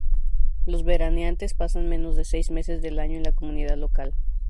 Los veraneantes pasan menos de seis meses del año en la comunidad local.